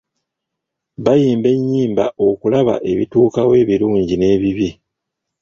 Bayimba ennyimba okulamba ebituukawo ebirungi n'ebibi.